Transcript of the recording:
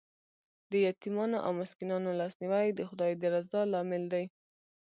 د یتیمانو او مسکینانو لاسنیوی د خدای د رضا لامل دی.